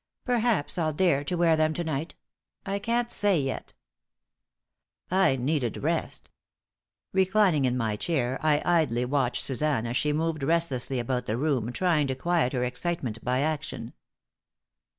Perhaps I'll dare to wear them to night. I can't say yet." I needed rest. Reclining in my chair, I idly watched Suzanne as she moved restlessly about the room trying to quiet her excitement by action.